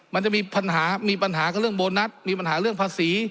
มันจะมีปัญหามีปัญหากับเรื่องโบนัสมีปัญหาเรื่องภาษี